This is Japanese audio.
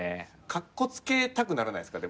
カッコつけたくならないですか？